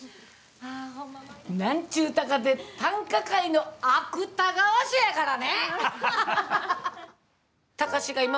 なんちゅうたかて短歌界の芥川賞やからね！